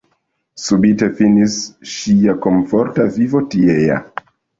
Subite finis ŝia komforta vivo tiea.